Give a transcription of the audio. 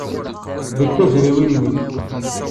Deg tazrawin-ines.